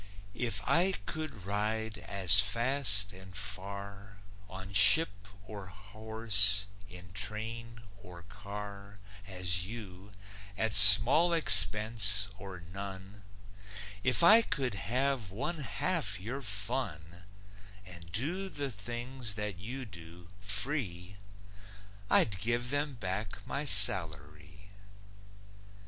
If I could ride as fast and far On ship or horse, in train or car, As you, at small expense or none, If I could have one half your fun And do the things that you do, free, I'd give them back my salary.